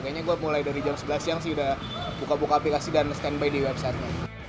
kayaknya gue mulai dari jam sebelas siang sih udah buka buka aplikasi dan standby di website